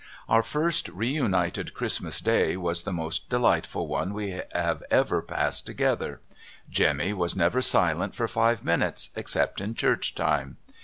Our first reunited Christmas day was the most delightful one we have ever passed together. Jemmy was never silent for five minutes, except in church time.